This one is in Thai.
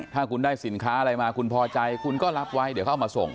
ถ้าคุณได้สินค้าอะไรมาคุณพอใจคุณก็รับไว้เดี๋ยวเขาเอามาส่ง